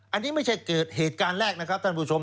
อันนี้ไม่ใช่เกิดเหตุการณ์แรกนะครับท่านผู้ชม